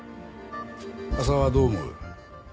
浅輪はどう思う？